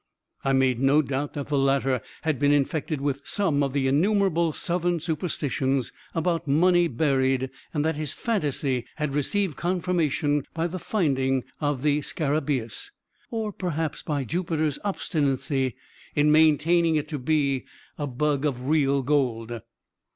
I made no doubt that the latter had been infected with some of the innumerable Southern superstitions about money buried, and that his phantasy had received confirmation by the finding of the scarabaeus, or, perhaps, by Jupiter's obstinacy in maintaining it to be "a bug of real gold."